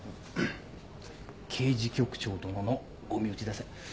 刑事局長殿のお身内だす。